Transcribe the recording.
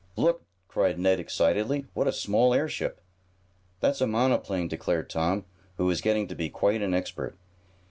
"Look!" cried Ned excitedly. "What a small airship." "That's a monoplane," declared Tom, who was getting to be quite an expert.